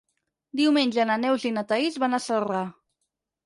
Diumenge na Neus i na Thaís van a Celrà.